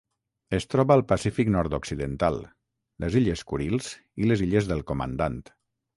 Es troba al Pacífic nord-occidental: les illes Kurils i les illes del Comandant.